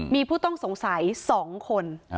มีผู้ต้องสงสัย๒คน